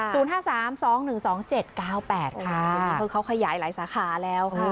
ศูนย์ห้าสามสองหนึ่งสองเจ็ดเก้าแปดค่ะเพราะเขาขยายหลายสาขาแล้วค่ะ